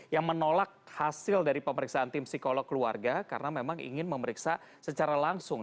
yang menolak hasil dari pemeriksaan tim psikolog keluarga karena memang ingin memeriksa secara langsung